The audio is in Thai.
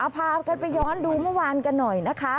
พากันไปย้อนดูเมื่อวานกันหน่อยนะคะ